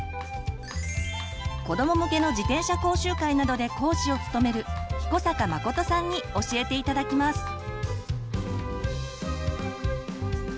子ども向けの自転車講習会などで講師を務める彦坂誠さんに教えて頂きます。